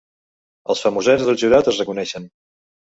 Els famosets del jurat es reconeixen.